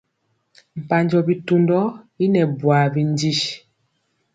Mpanjɔ bitundɔ i nɛ bwaa bindi.